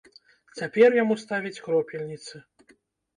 Цяпер яму ставяць кропельніцы.